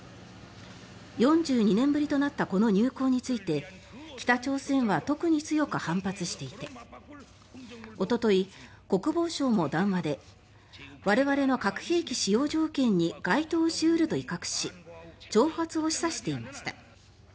４２年ぶりとなったこの入港について北朝鮮は特に強く反発していておととい、国防相も談話で我々の核兵器使用条件に該当し得ると威嚇し挑発を示唆していました。